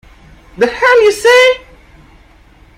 The hell you say!